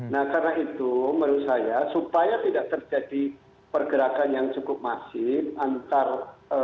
nah karena itu menurut saya supaya tidak terjadi pergerakan yang cukup masif antar